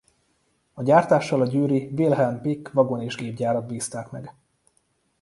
A gyártással a győri Wilhelm Pieck Vagon- és Gépgyárat bízták meg.